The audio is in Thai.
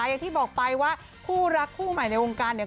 อย่างที่บอกไปว่าคู่รักคู่ใหม่ในวงการเนี่ย